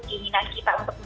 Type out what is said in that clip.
keinginan kita untuk menikmati